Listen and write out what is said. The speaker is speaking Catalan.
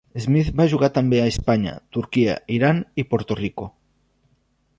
Smith va jugar també a Espanya, Turquia, Iran i Puerto Rico.